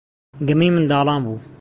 گەمەی منداڵان بوو.